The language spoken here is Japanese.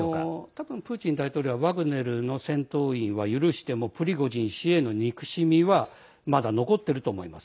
多分、プーチン大統領はワグネルの戦闘員は許してもプリゴジン氏への憎しみはまだ残っていると思います。